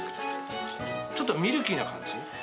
ちょっとミルキーな感じ。